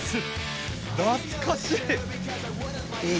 懐かしい！